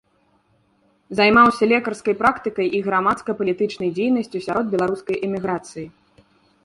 Займаўся лекарскай практыкай і грамадска-палітычнай дзейнасцю сярод беларускай эміграцыі.